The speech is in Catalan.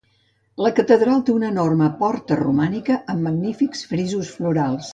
La Catedral té una enorme porta romànica, amb magnífics frisos florals.